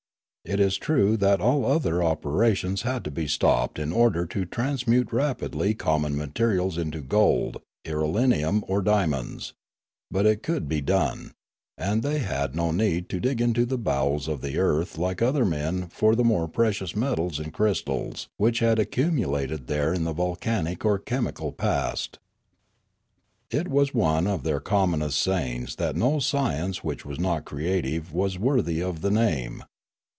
It is true that all other operations had to be stopped in order to transmute rapidly common materials into gold, irelium, or diamonds; but it could be done, and they had no need to dig into the bowels of the earth like other men for the more precious metals and crystals which had accumulated there in the volcanic or chemi cal past. It was one of their commonest sayings that no science which was not creative was worthy of the name.